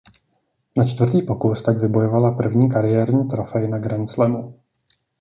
Na čtvrtý pokus tak vybojovala první kariérní trofej na Grand Slamu.